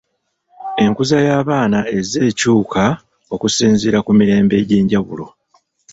Enkuza y'abaana ezze ekyuka okusinziira ku mirembe egy'enjawulo.